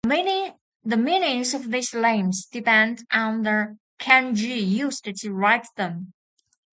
The meanings of these names depend on the kanji used to write them.